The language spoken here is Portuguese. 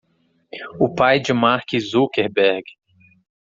O pai de Mark Zuckerberg.